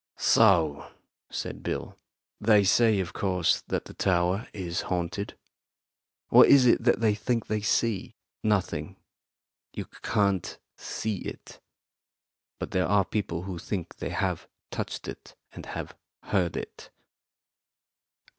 "So," said Bill, "they say of course that the tower is haunted. What is it that they think they see?" "Nothing. You can't see it. But there are people who think they have touched it and have heard it."